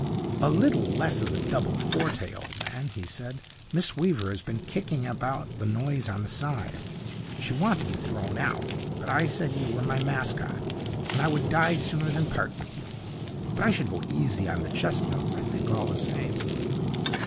'A little less of the double forte, old man,' he said. 'Miss Weaver has been kicking about the noise on the side. She wanted you thrown out, but I said you were my mascot, and I would die sooner than part with you. But I should go easy on the chest notes, I think, all the same.'